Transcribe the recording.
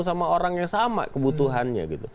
sama orang yang sama kebutuhannya gitu